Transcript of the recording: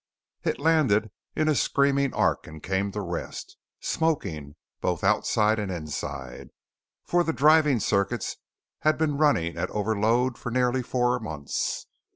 It landed in a screaming arc and came to rest, smoking both outside and inside, for the driving circuits had been running at overload for nearly four months.